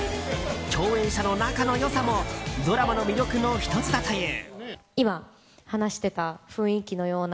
共演者の仲の良さもドラマの魅力の１つだという。